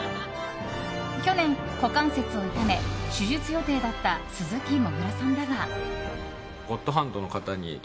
去年、股関節を痛め手術予定だった鈴木もぐらさんだが。